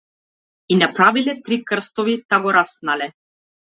И направиле три крстови та го распнале.